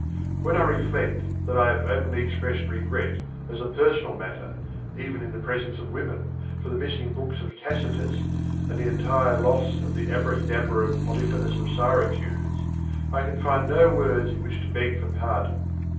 When I reflect that I have openly expressed regret, as a personal matter, even in the presence of women, for the missing books of Tacitus, and the entire loss of the Abacadabra of Polyphemus of Syracuse, I can find no words in which to beg for pardon.